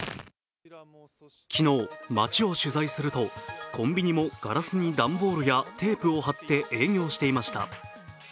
昨日、街を取材すると、コンビニもガラスに段ボールやテープを貼って営業していました。